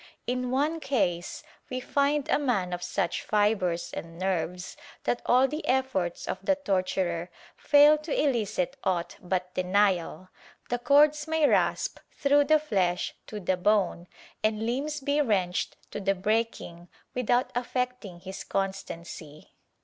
In one case we find a man of such fibres and nerves that all the efforts of the torturer fail to eUcit aught but denial — the cords may rasp through the flesh to the bone and limbs be wrenched to the breaking without affecting his constancy.